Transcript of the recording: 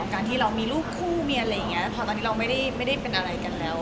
การที่เรามีลูกคู่เมียพอตอนนี้เราไม่ได้เป็นอะไรกันแล้ว